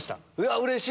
うれしい。